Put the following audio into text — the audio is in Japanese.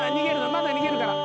まだ逃げるから。